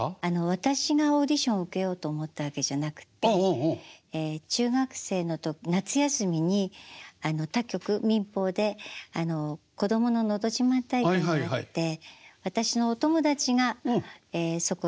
私がオーディション受けようと思ったわけじゃなくて中学生の夏休みに他局民放で子どもののど自慢大会があって私のお友達がそこに応募したんです。